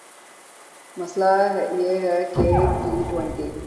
مسئلہ یہ ہے کہ ٹی ٹؤنٹی